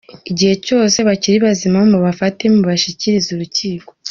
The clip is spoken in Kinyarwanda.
Igihe cyose bakiri bazima, mubafate mubashyikirize urukiko.